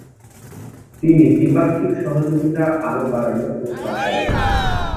তিনি দ্বিপাক্ষিক সহযোগিতা আরো বাড়ানোর প্রস্তাব করেন।